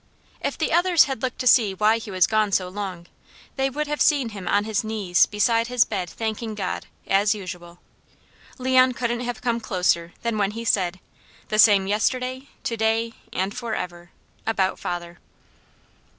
If the others had looked to see why he was gone so long, they would have seen him on his knees beside his bed thanking God, as usual. Leon couldn't have come closer than when he said, "The same yesterday, to day, and forever," about father.